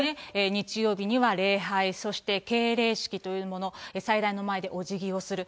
日曜日には礼拝、そして敬礼式というもの、祭壇の前でおじぎをする。